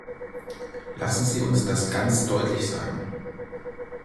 Lassen Sie uns das ganz deutlich sagen.